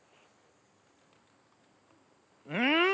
うん！